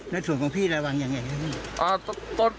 แล้วส่วนของพี่ระวังอย่างไรครับพี่